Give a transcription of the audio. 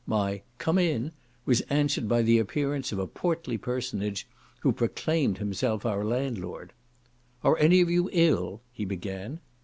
My "come in," was answered by the appearance of a portly personage, who proclaimed himself our landlord. "Are any of you ill?" he began.